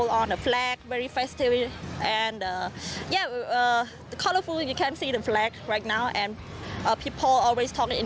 และคนปกติมาเถอะกลายแบบสุดยอดเมือง